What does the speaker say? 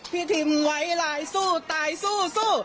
พี่ทิมไหว้หมายสู้ตายสู้สู้